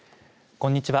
こんにちは。